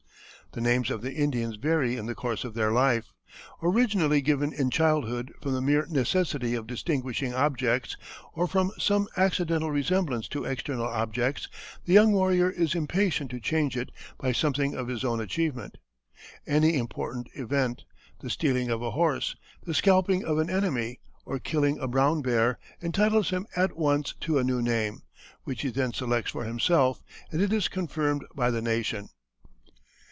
"The names of the Indians vary in the course of their life. Originally given in childhood from the mere necessity of distinguishing objects, or from some accidental resemblance to external objects, the young warrior is impatient to change it by something of his own achievement. Any important event, the stealing of a horse, the scalping of an enemy, or killing a brown bear, entitles him at once to a new name, which he then selects for himself, and it is confirmed by the nation."